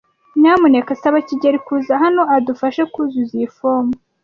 Nyamuneka saba kigeli kuza hano adufashe kuzuza iyi fomu.